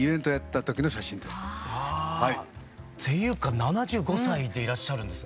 ああっていうか７５歳でいらっしゃるんですね。